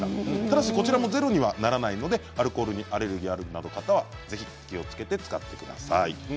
ただし、こちらもゼロにはならないのでアルコールにアレルギーがある方は気をつけるようにしてください。